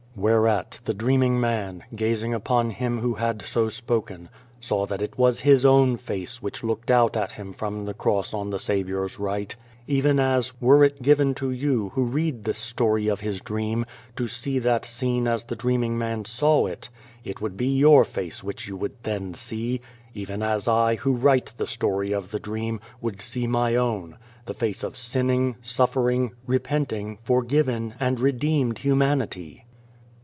Whereat the dreaming man, gazing upon him who had so spoken, saw that it was his own face which looked out at him from the cross on the Saviour's right ; even as, were it given to you, who read this story of his dream, to see that scene as the dreaming man saw it it would be your face which you would then see, even as I, who write the story of the dream, would see my own, the face of sinning, suffering, repenting, forgiven, and redeemed humanity.